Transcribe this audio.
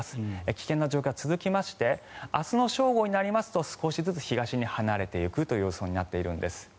危険な状況が続きまして明日の正午になりますと少しずつ東に離れていくという予想になっているんです。